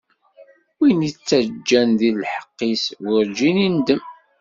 Win ittaǧǧan di leḥqq-is, werǧin indem.